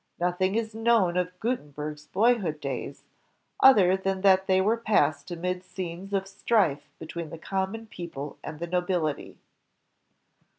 Nothing is known of Gutenberg's boyhood days, other than that they were passed amid scenes of strife between the common people and the nobility.